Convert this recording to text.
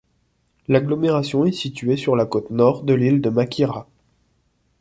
L'agglomération est située sur la côte nord de l'île de Makira.